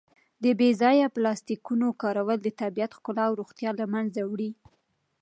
د بې ځایه پلاسټیکونو کارول د طبیعت ښکلا او روغتیا له منځه وړي.